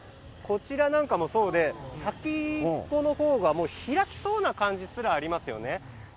こちらなんかも、先っぽのほうが開きそうな感じすらありますよね。